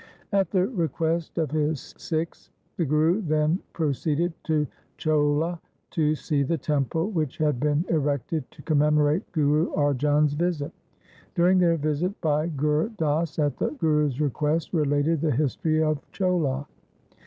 At the request of his Sikhs the Guru then pro ceeded to Cholha to see the temple which had been erected to commemorate Guru Arjan's visit. During their visit Bhai Gur Das at the Guru's request related the history of Cholha.